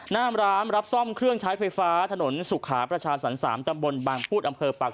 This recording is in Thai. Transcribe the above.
หน้าร้านรับซ่อมเครื่องใช้ไฟฟ้าถนนสุขาประชาสรรค๓ตำบลบางพูดอำเภอปาก